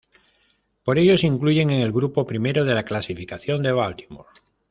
Por ello se incluyen en el grupo I de la clasificación de Baltimore.